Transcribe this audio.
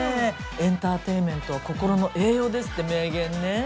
「エンターテインメントは心の栄養」ですって名言ね。